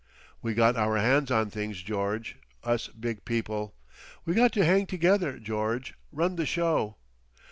"We got our hands on things, George, us big people. We got to hang together, George run the show.